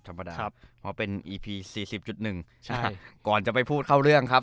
ธรรมดาครับเพราะเป็นอีพีสี่สิบจุดหนึ่งใช่ก่อนจะไปพูดเข้าเรื่องครับ